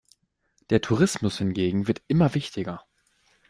Der Tourismus hingegen wird immer wichtiger.